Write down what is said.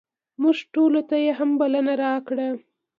موږ ټولو ته یې هم بلنه راکړه.